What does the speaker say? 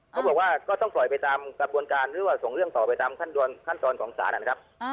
เขาบอกว่าก็ต้องปล่อยไปตามกระบวนการหรือว่าส่งเรื่องต่อไปตามขั้นตอนของศาลนะครับ